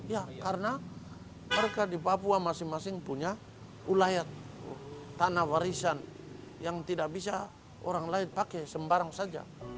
ya karena mereka di papua masing masing punya ulayat tanah warisan yang tidak bisa orang lain pakai sembarang saja